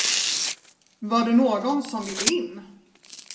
Var det någon, som ville in?